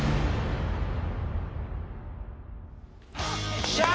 よっしゃー！